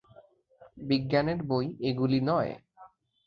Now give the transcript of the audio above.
বিজ্ঞানের বই এগুলি নয়।